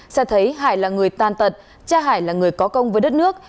sẽ thấy hải là người tan tật cha hải là người có công với đất nước